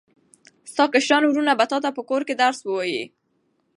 ستا کشران وروڼه به تاته په کور کې درس ووایي.